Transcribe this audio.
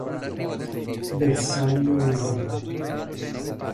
Bersaglio umano